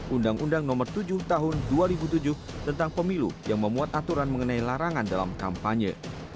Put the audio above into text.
undang undang nomor tujuh tahun dua ribu tujuh tentang pemilu yang memuat aturan mengenai larangan dalam kampanye